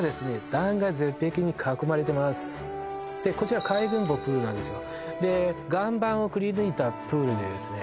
断崖絶壁に囲まれてますでこちら海軍棒プールなんですよで岩盤をくりぬいたプールでですね